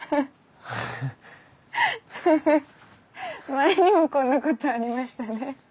前にもこんなことありましたね。